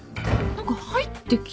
何か入ってきた。